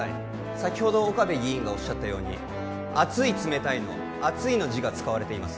先ほど岡部議員がおっしゃったように「熱い冷たい」の「熱い」の字が使われています